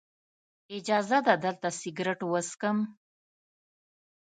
اجازه ده دلته سګرټ وڅکم.